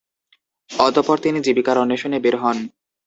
অতঃপর তিনি জীবিকার অন্বেষণে বের হন।